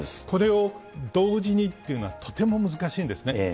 これを同時にっていうのはとても難しいんですね。